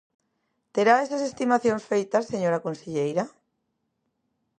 ¿Terá esas estimacións feitas, señora conselleira?